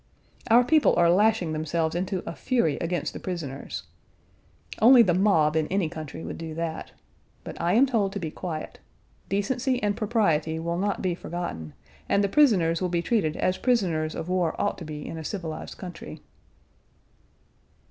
Our people are lashing themselves into a fury against the prisoners. Only the mob in any country would do that. But I am told to be quiet. Decency and propriety will not be forgotten, and the prisoners will be treated as prisoners of war ought to be in a civilized country.